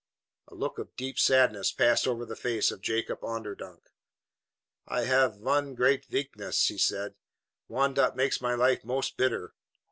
A look of deep sadness passed over the face of Jacob Onderdonk. "I haf one great veakness," he said, "one dot makes my life most bitter.